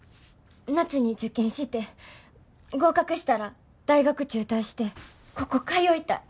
夏に受験して合格したら大学中退してここ通いたい。